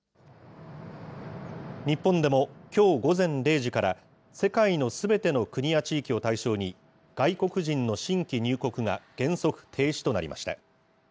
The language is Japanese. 日本でも、きょう午前０時から、世界のすべての国や地域を対象に、外国人の新規入国が原則停止となりました。